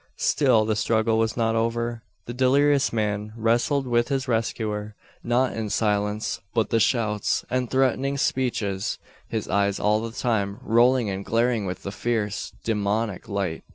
Still the struggle was not over. The delirious man wrestled with his rescuer not in silence, but with shouts and threatening speeches his eyes all the time rolling and glaring with a fierce, demoniac light.